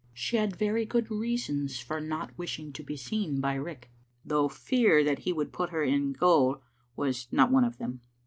She had very good reasons for not wishing to be seen by Riach, though fear that he would put her in gaol was not one of them.